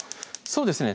そうですね